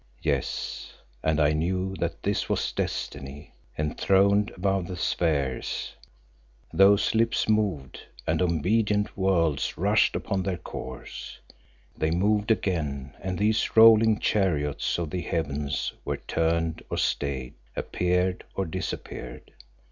Yes, and I knew that this was Destiny enthroned above the spheres. Those lips moved and obedient worlds rushed upon their course. They moved again and these rolling chariots of the heavens were turned or stayed, appeared or disappeared.